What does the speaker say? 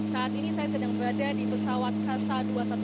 saat ini saya sedang berada di pesawat kasa dua ratus dua belas